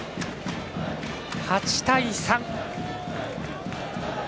８対３。